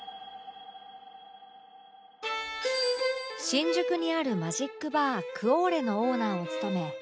新宿にあるマジックバー ＣＵＯＲＥ のオーナーを務め